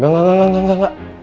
gak gak gak gak